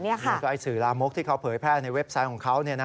แล้วก็สื่อลามกที่เขาเผยแพร่ในเว็บไซต์ของเขา